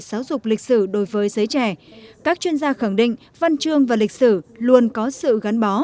giáo dục lịch sử đối với giới trẻ các chuyên gia khẳng định văn chương và lịch sử luôn có sự gắn bó